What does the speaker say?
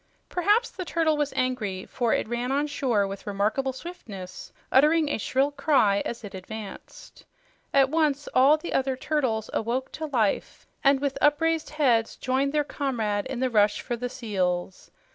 Perhaps the turtle was angry, for it ran on shore with remarkable swiftness, uttering a shrill cry as it advanced. At once all the other turtles awoke to life and with upraised heads joined their comrade in the rush for the seals.